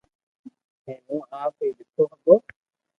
ھين ھون آپ ھي ليکو ھگو